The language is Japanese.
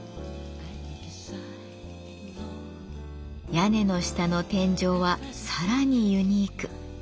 屋根の下の天井はさらにユニーク。